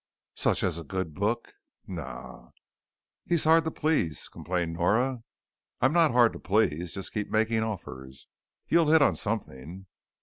"Such as a good book?" "Nah." "He's hard to please," complained Nora. "I'm not hard to please. Just keep making offers. You'll hit on something."